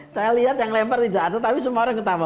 saya lihat yang lempar tidak ada tapi semua orang ketawa